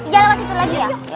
jalan pas itu lagi ya